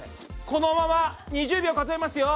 このまま２０秒数えますよ。